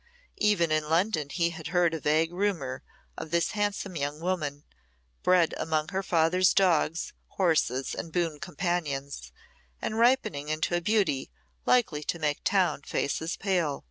Even in London he had heard a vague rumour of this handsome young woman, bred among her father's dogs, horses, and boon companions, and ripening into a beauty likely to make town faces pale.